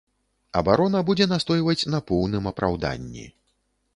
Абарона будзе настойваць на поўным апраўданні.